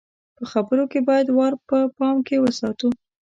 په خبرو کې بايد وار په پام کې وساتو.